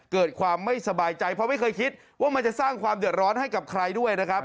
เกิดความไม่สบายใจเพราะไม่เคยคิดว่ามันจะสร้างความเดือดร้อนให้กับใครด้วยนะครับ